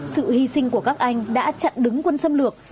sự hy sinh của các anh đã chặn đứng quân xâm lược